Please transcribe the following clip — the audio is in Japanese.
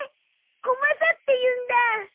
コマサっていうんだ。